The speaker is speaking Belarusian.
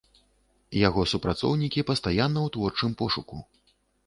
Яго супрацоўнікі пастаянна ў творчым пошуку.